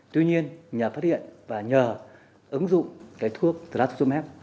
tuy nhiên nhờ phát hiện và nhờ ứng dụng cái thuốc platsome